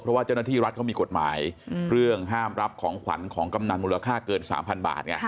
เพราะว่าเจ้าหน้าที่รัฐเขามีกฎหมายเรื่องห้ามรับของขวัญของกำนันมูลค่าเกิน๓๐๐บาทไง